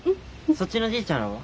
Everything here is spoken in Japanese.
そっちのじいちゃんらは？